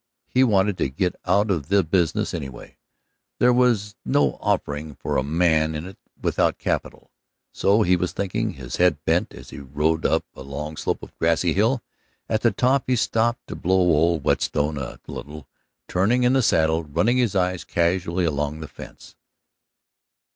He wanted to get out of the business anyway; there was no offering for a man in it without capital. So he was thinking, his head bent, as he rode up a long slope of grassy hill. At the top he stopped to blow old Whetstone a little, turning in the saddle, running his eyes casually along the fence.